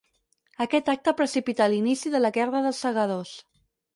Aquest acte precipità l'inici de la Guerra dels Segadors.